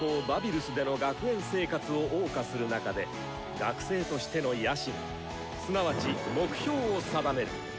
バビルスでの学園生活をおう歌する中で学生としての野心すなわち目標を定める。